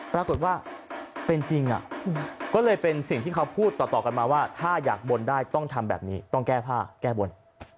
ปรากฏว่าเป็นจริงก็เลยเป็นสิ่งที่เขาพูดต่อกันมาว่าถ้าอยากบนได้ต้องทำแบบนี้ต้องแก้ผ้าแก้บน